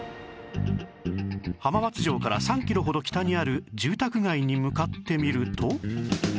浜松城から３キロほど北にある住宅街に向かってみると